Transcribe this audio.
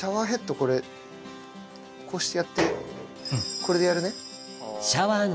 これこうしてやってこれでやるね。